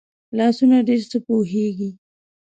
لاسونه ډېر څه پوهېږي